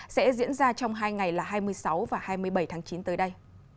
sẽ diễn ra trong hai ngày là hai mươi sáu và hai mươi bảy tháng chín tới đây